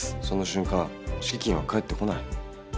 その瞬間敷金は返ってこない。